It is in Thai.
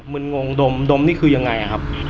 ึนงงดมนี่คือยังไงครับ